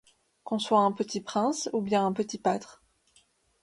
Qu'on soit un petit prince ou bien un petit pâtre